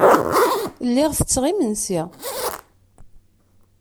Lliɣ ttetteɣ imensi.